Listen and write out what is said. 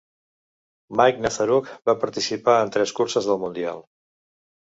Mike Nazaruk va participar en tres curses del mundial.